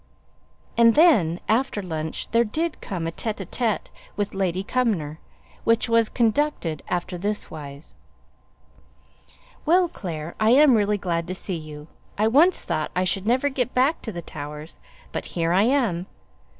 And then after lunch there did come a tÉte ł tÉte with Lady Cumnor, which was conducted after this wise: "Well, Clare! I am really glad to see you. I once thought I should never get back to the Towers, but here I am!